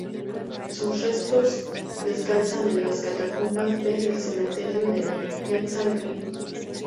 Sus restos descansan en las catacumbas B del cementerio de Kensal Green.